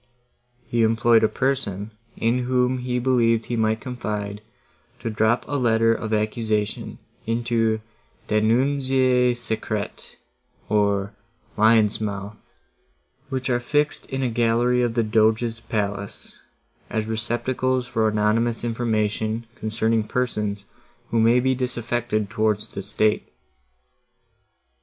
He employed a person, in whom he believed he might confide, to drop a letter of accusation into the Denunzie secrete, or lions' mouths, which are fixed in a gallery of the Doge's palace, as receptacles for anonymous information, concerning persons, who may be disaffected towards the state.